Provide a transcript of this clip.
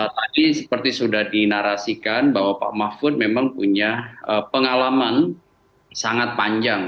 tadi seperti sudah dinarasikan bahwa pak mahfud memang punya pengalaman sangat panjang